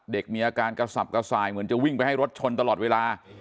เด็กมีอาการกระสับกระส่ายเหมือนจะวิ่งไปให้รถชนตลอดเวลา